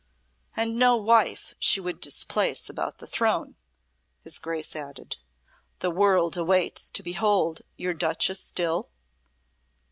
"And no wife she would displace about the throne," his Grace added. "The world waits to behold your Duchess still?"